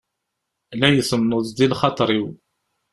La itenneḍ di lxaṭeṛ-iw.